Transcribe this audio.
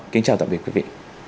xin chào tạm biệt quý vị